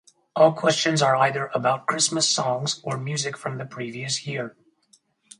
All questions are either about Christmas songs, or music from the previous year.